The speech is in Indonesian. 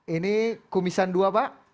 ini kumisan dua pak